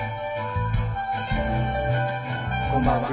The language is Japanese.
こんばんは。